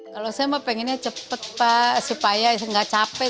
kalau saya mah pengennya cepat pak supaya nggak capek